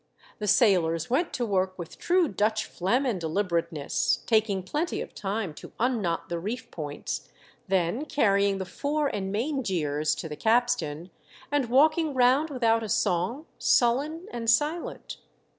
The sailors went to work with true Dutch phlegm and deliberateness, taking plenty of time to unknot the reef points, then carrying the fore and main jeers to the capstan, and walking round without a song, sullen and silent.